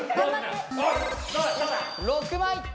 ⁉６枚！